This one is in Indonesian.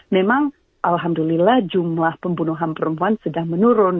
memang alhamdulillah jumlah pembunuhan perempuan sudah menurun